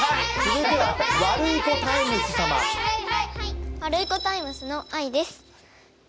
ワルイコタイムスのあいです。